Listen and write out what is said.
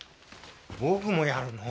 僕もやるの？